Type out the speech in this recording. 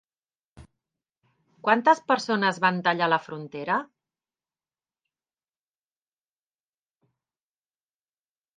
Quantes persones van tallar la frontera?